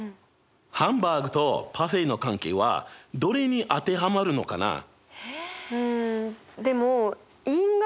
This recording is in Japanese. ハンバーグとパフェの関係はどれに当てはまるのかな？